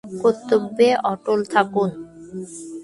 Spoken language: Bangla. কর্তব্যে অটল থাকুন।